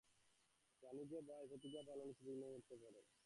জানি নে যে ভাই, প্রতিজ্ঞা পালনে কী বিঘ্ন একদিন ঘটতে পারে।